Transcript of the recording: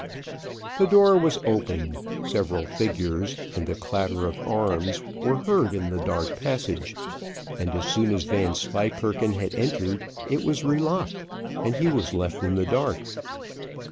The door was opened, several figures, and the clatter of arms, were heard in the dark passage, and as soon as Vanslyperken had entered it was relocked, and he was left in the dark.